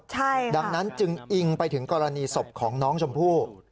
ใช่ดังนั้นจึงอิงไปถึงกรณีศพของน้องชมพู่